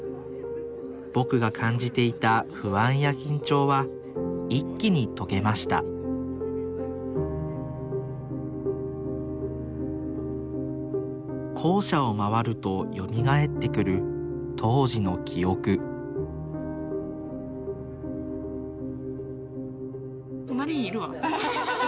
ぼくが感じていた不安や緊張は一気に解けました校舎を回るとよみがえってくる当時の記憶隣にいるわ。